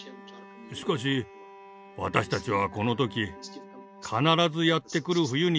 しかし私たちはこの時必ずやって来る冬について考えていました。